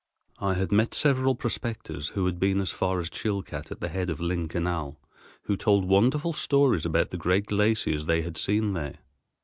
I had met several prospectors who had been as far as Chilcat at the head of Lynn Canal, who told wonderful stories about the great glaciers they had seen there.